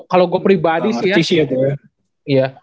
kalo gue pribadi sih ya